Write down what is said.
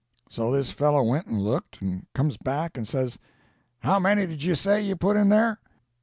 So this fellow went and looked, and comes back and says, 'How many did you say you put in there?'